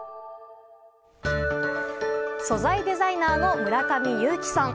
素材デザイナーの村上結輝さん。